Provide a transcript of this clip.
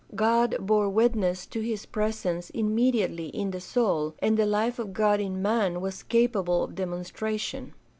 God bore witness to his presence immediately in the soul, and the life of God in man was capable of demonstration.